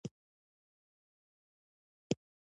ملګری د هېرېدو نه وي